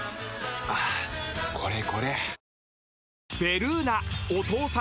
はぁこれこれ！